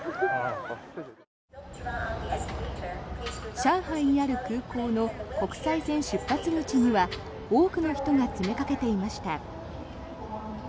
上海にある空港の国際線出発口には多くの人が詰めかけていました。